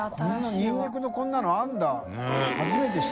ニンニクのこんなのあるんだ？